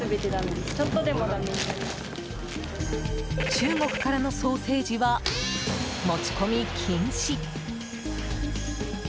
中国からのソーセージは持ち込み禁止。